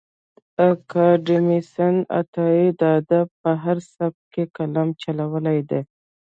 کانديد اکاډميسن عطايي د ادب په هر سبک کې قلم چلولی دی.